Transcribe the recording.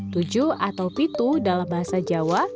tujuh atau pitu dalam bahasa jawa